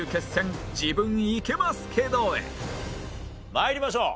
参りましょう。